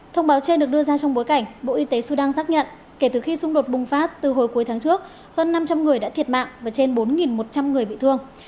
thông báo trên được đưa ra trong bối cảnh bộ y tế sudan xác nhận kể từ khi xung đột bùng phát từ hồi cuối tháng trước hơn năm trăm linh người đã thiệt mạng và trên bốn một trăm linh người bị thương